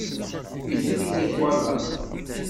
Itri-nni twalaḍ-t?